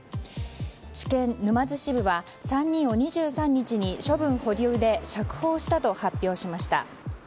地検沼津支部は３人を２３日に処分保留で釈放したと発表しました。